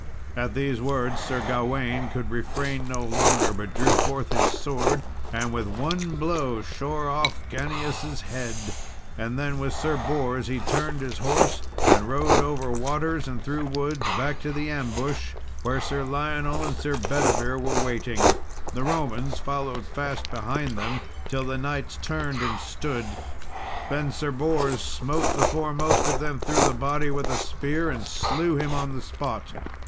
At these words, Sir Gawain could refrain no longer, but drew forth his sword and with one blow shore oft Ganius' head; then with Sir Bors, he turned his horse and rode over waters and through woods, back to the ambush, where Sir Lionel and Sir Bedivere were waiting. The Romans followed fast behind them till the knights turned and stood, and then Sir Bors smote the foremost of them through the body with a spear, and slew him on the spot.